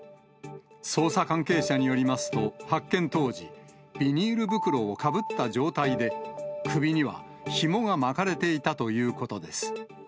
捜査関係者によりますと、発見当時、ビニール袋をかぶった状態で、首にはひもが巻かれていたということです。